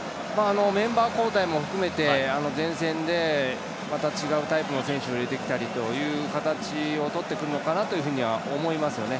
メンバー交代も含めて前線でまた違うタイプの選手を入れてきたりという形をとってくるのかなと思いますね。